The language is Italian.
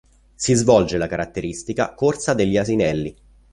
Si svolge la caratteristica "corsa degli asinelli".